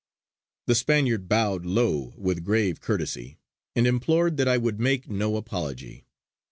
The Spaniard bowed low with grave courtesy, and implored that I would make no apology.